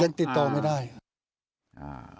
ยังติดต่อไม่ได้